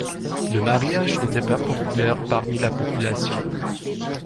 Le mariage n'était pas populaire parmi la population.